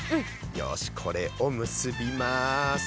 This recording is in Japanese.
よしこれを結びます。